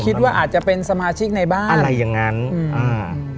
คิดว่าอาจจะเป็นสมาชิกในบ้านอะไรอย่างงั้นอืมอ่า